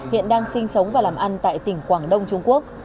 hiện đang sinh sống và làm ăn tại tỉnh quảng đông trung quốc